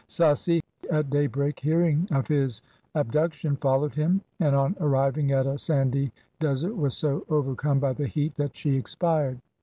Sassi at daybreak hearing of his abduction followed him, and on arriving at a sandy desert was so over come by the heat that she expired.